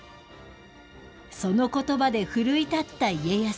そのことばで奮い立った家康。